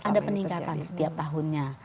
ada peningkatan setiap tahunnya